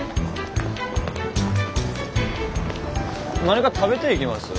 何か食べていきます？